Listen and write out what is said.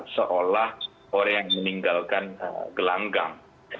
seolah olah yang meninggalkan gelanggang